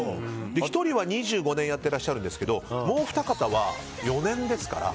１人は２５年やってらっしゃるんですけどもう二方は４年ですから。